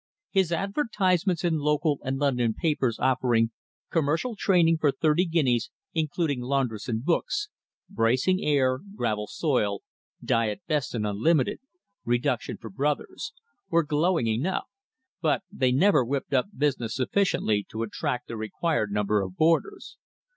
His advertisements in local and London papers offering "Commercial training for thirty guineas including laundress and books. Bracing air, gravel soil, diet best and unlimited. Reduction for brothers," were glowing enough, but they never whipped up business sufficiently to attract the required number of boarders.